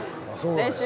練習。